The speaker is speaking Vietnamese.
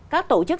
các tổ chức